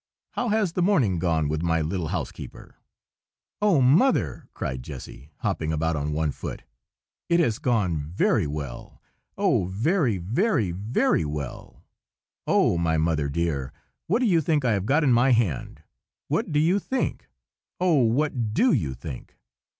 How has the morning gone with my little housekeeper?" "Oh, mother!" cried Jessy, hopping about on one foot, "it has gone very well! oh, very, very, very well! Oh, my mother dear, what do you think I have got in my hand? What do you think? oh, what do you think?"